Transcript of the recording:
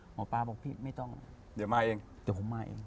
หมอปลาบอกพี่ไม่ต้องเดี๋ยวมาเองเดี๋ยวผมมาเอง